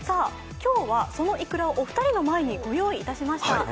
今日は、そのいくらをお二人の前にご用意いたしました。